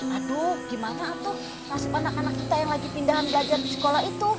aduh gimana atau nasib anak anak kita yang lagi pindahan belajar di sekolah itu